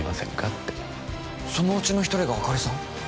ってそのうちの１人があかりさん？